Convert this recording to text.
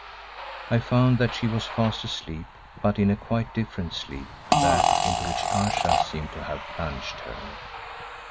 I found that she was fast asleep but in a quite different sleep to that into which Ayesha seemed to have plunged her.